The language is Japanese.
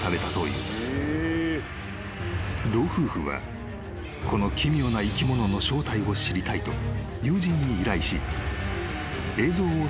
［老夫婦はこの奇妙な生き物の正体を知りたいと友人に依頼し］